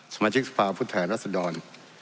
สมาชิกสุภาพุทธแห่งรัฐสดร